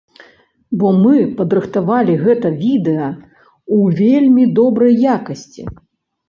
Бо мы падрыхтавалі гэта відэа ў вельмі добрай якасці.